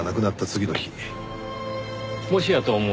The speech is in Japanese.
もしやと思い